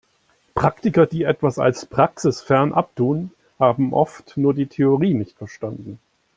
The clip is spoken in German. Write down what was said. Praktiker, die etwas als praxisfern abtun, haben oft nur die Theorie nicht verstanden.